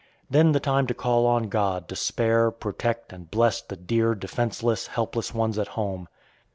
Then the time to call on God to spare, protect, and bless the dear, defenseless, helpless ones at home.